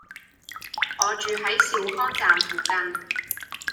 我住喺兆康站附近